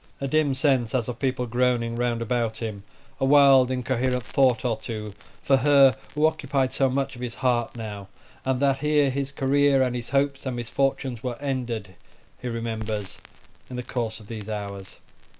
A dim sense, as of people groaning round about him, a wild incoherent thought or two for her who occupied so much of his heart now, and that here his career, and his hopes, and misfortunes were ended, he remembers in the course of these hours.